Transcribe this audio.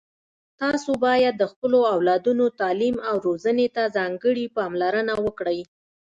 تاسو باید د خپلو اولادونو تعلیم او روزنې ته ځانګړي پاملرنه وکړئ